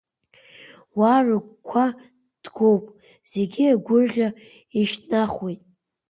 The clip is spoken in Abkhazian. Уа рыгәқәа ҭгоуп зегьы агәырӷьа ишьҭнахуеит…